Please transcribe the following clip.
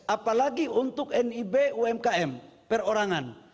apalagi untuk nib umkm perorangan